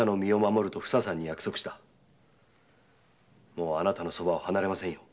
もうあなたのそばを離れませんよ。